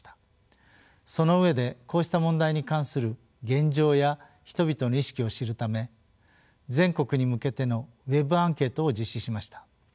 その上でこうした問題に関する現状や人々の意識を知るため全国に向けてのＷｅｂアンケートを実施しました。